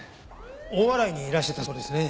大洗にいらしてたそうですね？